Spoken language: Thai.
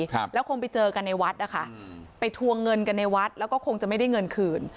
ครับแล้วคงไปเจอกันในวัดนะคะไปทวงเงินกันในวัดแล้วก็คงจะไม่ได้เงินคืน